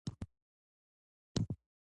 د ولسونو په کلتور کې د کیسو مجلسونه وو.